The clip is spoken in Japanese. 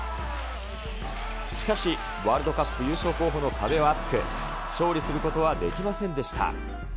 しかし、ワールドカップ優勝候補の壁は厚く、勝利することはできませんでした。